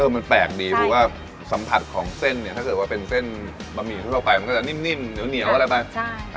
มันแปลกดีเพราะว่าสัมผัสของเส้นเนี่ยถ้าเกิดว่าเป็นเส้นบะหมี่ทั่วไปมันก็จะนิ่มเหนียวอะไรไป